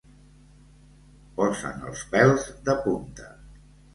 Posen els pèls de punta.